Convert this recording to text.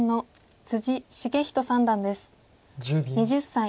２０歳。